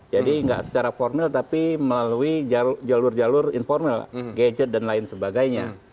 jadi tidak secara formil tapi melalui jalur jalur informal gadget dan lain sebagainya